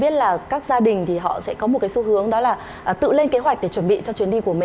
biết là các gia đình thì họ sẽ có một cái xu hướng đó là tự lên kế hoạch để chuẩn bị cho chuyến đi của mình